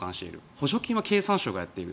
補助金は経産省がやってる。